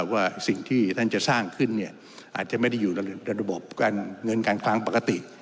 ว่าสิ่งที่ท่านจะสร้างขึ้นอาจจะไม่ได้อยู่ในระบบการเงินการคลังปกติ